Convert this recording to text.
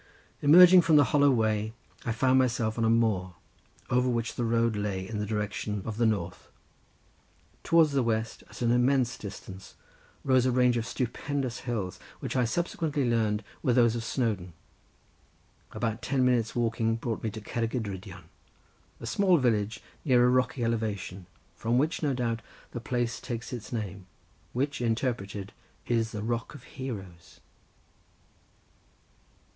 Emerging from the hollow way I found myself on a moor over which the road lay in the direction of the north. Towards the west at an immense distance rose a range of stupendous hills, which I subsequently learned were those of Snowdon—about ten minutes' walking brought me to Cerrig y Drudion, a small village near a rocky elevation, from which, no doubt, the place takes its name, which interpreted, is the Rock of Heroes.